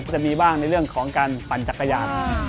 จะมีบ้างในเรื่องของการปั่นจักรยาน